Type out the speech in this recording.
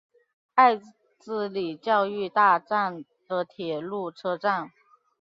爱之里教育大站的铁路车站。